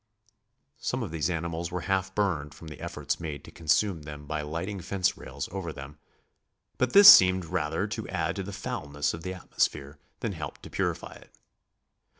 Some of these animals were half burned from the efforts made to consume them by lighting fence rails over them, but this seemed rather to add to the foulness of the atmosphere than help to purify it.